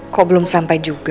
kok belum sampai juga